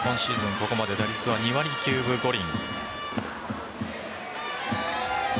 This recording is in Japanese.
ここまで打率は２割９分５厘。